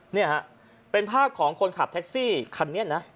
นี่ฮะเป็นภาพของคนขับแท็กซี่คันนี้นะ